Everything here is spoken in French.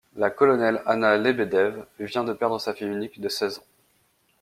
La colonelle Anna Lebedev vient de perdre sa fille unique de seize ans.